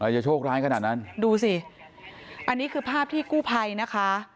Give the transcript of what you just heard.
จะโชคร้ายขนาดนั้นดูสิอันนี้คือภาพที่กู้ภัยนะคะ